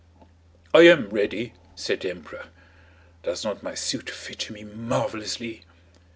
"I am ready," said the emperor. "Does not my suit fit me marvellously?"